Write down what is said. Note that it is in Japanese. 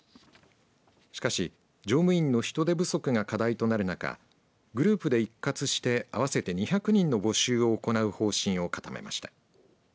しかし乗務員の人手不足が課題となる中グループで一括して合わせて２００人の募集を行う方針を固めました。